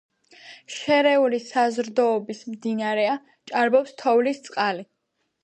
შერეული საზრდოობის მდინარეა, ჭარბობს თოვლის წყალი.